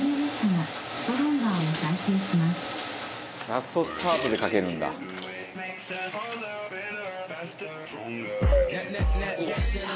「ラストスパートでかけるんだ」よいしょ！